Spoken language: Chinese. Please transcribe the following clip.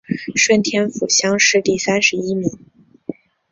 顺天府乡试第三十一名。